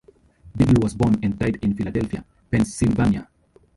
Biddle was born and died in Philadelphia, Pennsylvania.